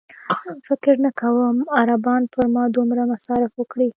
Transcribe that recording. فکر نه کوم عربان پر ما دومره مصارف وکړي.